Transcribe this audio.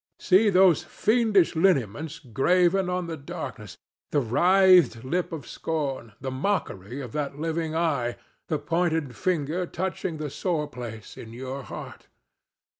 See those fiendish lineaments graven on the darkness, the writhed lip of scorn, the mockery of that living eye, the pointed finger touching the sore place in your heart!